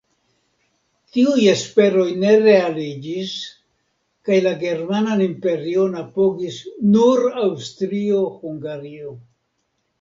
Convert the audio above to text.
Tiuj esperoj ne realiĝis kaj la Germanan Imperion apogis nur Aŭstrio-Hungario.